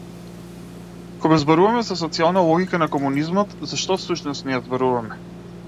Кога зборуваме за социјална логика на комунизмот, за што, всушност, ние зборуваме?